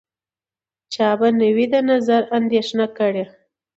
چا به نه وي د نظر اندېښنه کړې